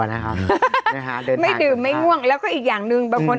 นะครับไม่ดื่มไม่ง่วงแล้วก็อีกอย่างหนึ่งบางคน